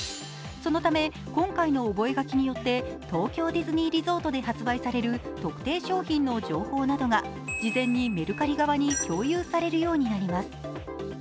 そのため今回の覚書によって、東京ディズニーリゾートで発売される特定商品の情報などが事前にメルカリ側に共有されるようになります。